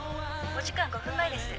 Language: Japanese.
お時間５分前です。